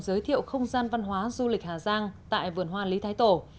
giới thiệu không gian văn hóa du lịch hà giang tại vườn hoa lý thái tổ